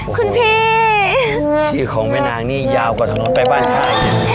คุณพี่โอ้โฮชีวิตของแม่นางนี่ยาวกว่าถนนไปบ้านค่ะ